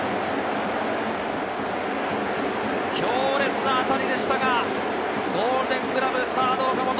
強烈な当たりでしたが、ゴールデングラブ、サード・岡本。